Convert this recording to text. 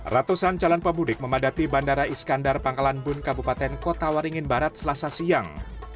ratusan calon pemudik memadati bandara iskandar pangkalan bun kabupaten kota waringin barat selasa siang